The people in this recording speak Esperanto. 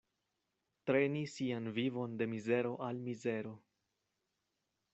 Treni sian vivon de mizero al mizero.